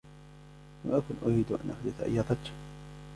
لم أكن أريد أن أحدث أية ضجة.